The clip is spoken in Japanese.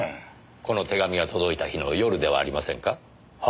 この手紙が届いた日の夜ではありませんか？は？